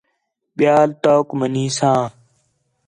ٻِیال توک منی ساں